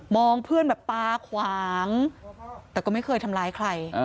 เพื่อนแบบตาขวางแต่ก็ไม่เคยทำร้ายใคร